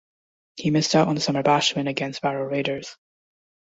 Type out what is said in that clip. He missed out on the Summer Bash win against Barrow Raiders.